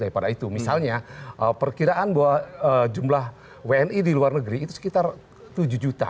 daripada itu misalnya perkiraan bahwa jumlah wni di luar negeri itu sekitar tujuh juta